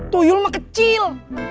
tuyul mah kecil